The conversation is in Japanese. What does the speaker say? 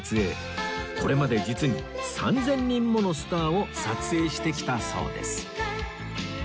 これまで実に３０００人ものスターを撮影してきたそうです